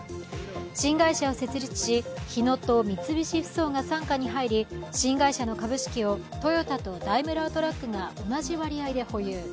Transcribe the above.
新会社を設立し、日野と三菱ふそうが傘下に入り新会社の株式をトヨタとダイムラートラックが同じ割合で保有。